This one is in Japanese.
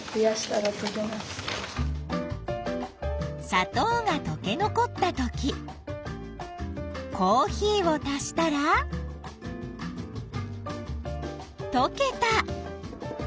さとうがとけ残ったときコーヒーを足したらとけた。